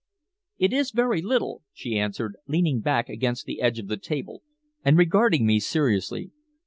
"It is very little," she answered, leaning back against the edge of the table and regarding me seriously.